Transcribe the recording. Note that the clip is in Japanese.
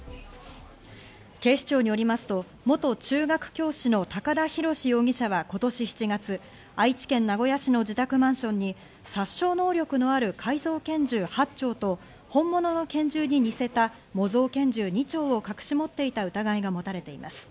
警視庁によりますと元中学教師の高田広司容疑者は今年７月、愛知県名古屋市の自宅マンションに殺傷能力のある改造拳銃８丁と本物の拳銃に似せた模造拳銃２丁を隠し持っていた疑いが持たれています。